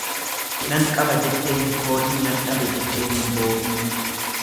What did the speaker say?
Nan qaba jettee hin kooriin nan dhabe jettee hin boo'iin.